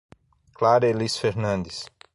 Clara Elis Fernandes